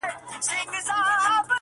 او که تاسې یو انسان